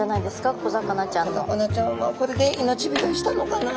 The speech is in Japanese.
小魚ちゃんはこれで命拾いしたのかな？